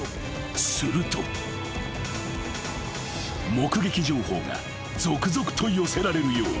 ［目撃情報が続々と寄せられるように］